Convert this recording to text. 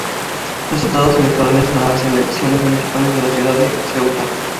Resultados electorales en las elecciones municipales de la ciudad de Ceuta